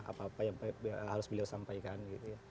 apa apa yang harus beliau sampaikan gitu ya